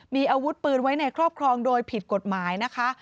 มีอาวุธปืนไว้ในครอบครองโดยผิดกฎหมายนะคะ